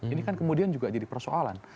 ini kan kemudian juga jadi persoalan